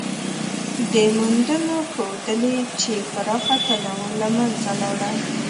دې موندنو ښودلې، چې پراخه تنوع له منځه لاړه.